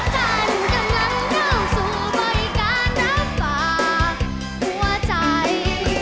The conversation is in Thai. ท่านกำลังเข้าสู่บริการรับฝากหัวใจ